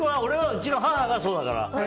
うちの母がそうだから。